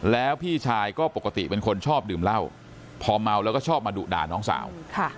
แล้วพี่ชายก็ปกติเป็นคนชอบดื่มเหล้าพอเมาแล้วก็ชอบมาดุด่าน้องสาว